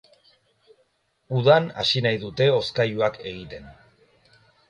Udan hasi nahi dute hozkailuak egiten.